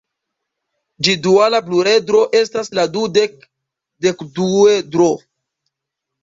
Ĝi duala pluredro estas la dudek-dekduedro.